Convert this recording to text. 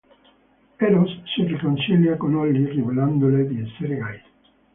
Eros si riconcilia con Olly rivelandole di essere gay.